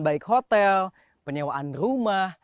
baik hotel penyewaan rumah